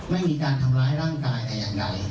ไม่มีการทำร้ายร่างกายแต่อย่างใด